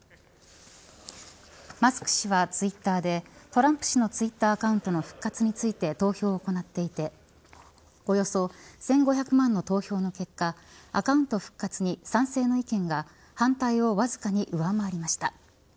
マスク氏はツイッターでトランプ氏のツイッターアカウント復活について投票を行っていておよそ１５００万の投票の結果アカウント復活に賛成の意見が反対をわずかに上回りました。